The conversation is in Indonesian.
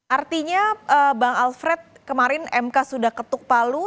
artinya bang alfred kemarin mk sudah ketuk palu